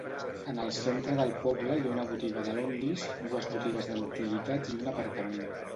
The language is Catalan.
En el centre del poble hi ha una botiga de Londis, dues botigues d'antiguitats i un aparcament.